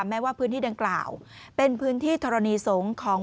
แม้ว่าพื้นที่ดังกล่าวเป็นพื้นที่ธรณีสงฆ์ของ